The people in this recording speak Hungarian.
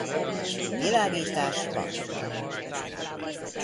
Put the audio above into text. Világítás van.